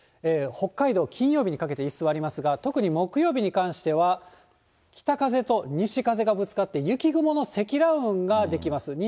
北海道、金曜日にかけて居座りますが、特に木曜日に関しては、北風と西風がぶつかって、雪雲の積乱雲が出来ます。